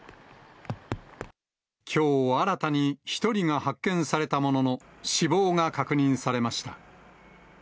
きょう、新たに１人が発見されたものの、死亡が確認されました。